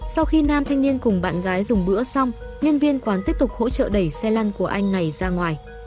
sau khi nam thanh niên cùng bạn gái dùng bữa xong nhân viên quán tiếp tục hỗ trợ đẩy xe lăn của anh này ra ngoài